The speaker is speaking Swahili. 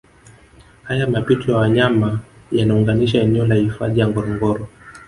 Haya mapito ya wanyama yanaunganisha eneo la hifadhi ya Ngorongoro